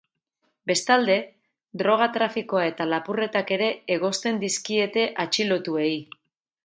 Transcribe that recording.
Bestalde, droga-trafikoa eta lapurretak ere egozten dizkiete atxilotuei.